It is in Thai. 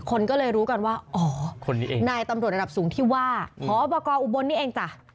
คนก็เลยรู้กันว่าอ๋อนายตำรวจระดับสูงที่ว่าอ๋อประกอบอุบลนี่เองจ้ะ